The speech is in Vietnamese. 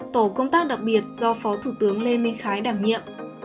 tổ công tác đặc biệt do phó thủ tướng lê minh khái đảm nhiệm